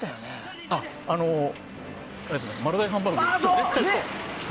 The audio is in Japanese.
丸大ハンバーグですね。